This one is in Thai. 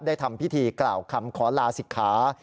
ทำพิธีกล่าวคำขอลาศิกขา